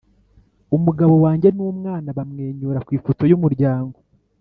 umugabo wanjye n'umwana bamwenyura ku ifoto y'umuryango;